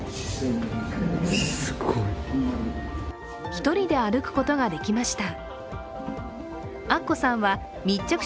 １人で歩くことができました。